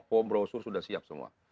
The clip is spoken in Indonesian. form browser sudah siap semua